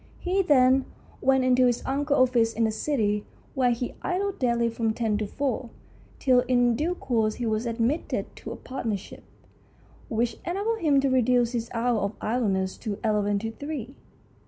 He then went into his uncle's office in the City, where he idled daily from ten to four, till in due course he was admitted to a partnership, which enabled him to reduce his hours of idleness to eleven to three.